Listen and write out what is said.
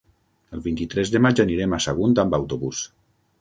El vint-i-tres de maig anirem a Sagunt amb autobús.